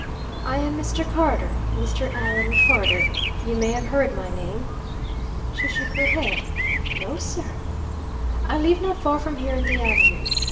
I am Mr. Carter, Mr. Allan Carter. You may have heard my name?" She shook her head. "No, sir." "I live not far from here on the avenue.